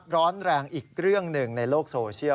ร้อนแรงอีกเรื่องหนึ่งในโลกโซเชียล